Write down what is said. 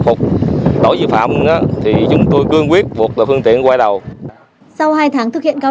phục lỗi vi phạm thì chúng tôi cương quyết buộc là phương tiện quay đầu sau hai tháng thực hiện cao